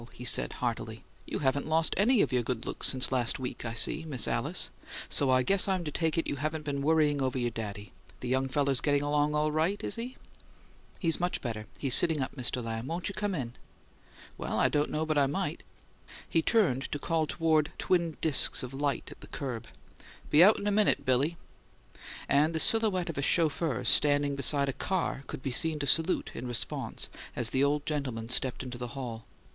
he said, heartily. "You haven't lost any of your good looks since last week, I see, Miss Alice, so I guess I'm to take it you haven't been worrying over your daddy. The young feller's getting along all right, is he?" "He's much better; he's sitting up, Mr. Lamb. Won't you come in?" "Well, I don't know but I might." He turned to call toward twin disks of light at the curb, "Be out in a minute, Billy"; and the silhouette of a chauffeur standing beside a car could be seen to salute in response, as the old gentleman stepped into the hall.